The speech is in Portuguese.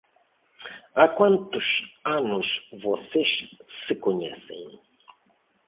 Há quantos anos vocês se conhecem?